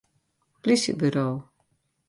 Plysjeburo.